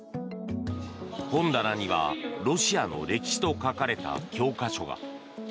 本棚には「ロシアの歴史」と書かれた教科書が。